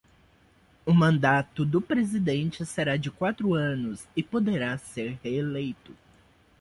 O mandato do presidente será de quatro anos e poderá ser reeleito.